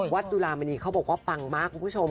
จุลามณีเขาบอกว่าปังมากคุณผู้ชม